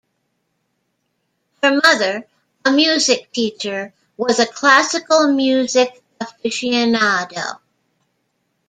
Her mother, a music teacher, was a classical music aficionado.